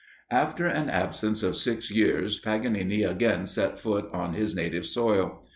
[N] After an absence of six years, Paganini again set foot on his native soil.